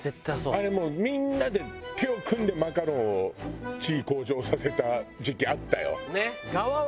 あれもうみんなで手を組んでマカロンを地位向上させた時期あったよ。